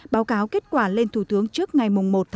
báo cáo kết quả lên thủ tướng trước ngày một một mươi